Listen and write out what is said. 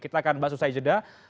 kita akan bahas usai jeda